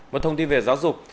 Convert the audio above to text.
một thông tin về giáo dục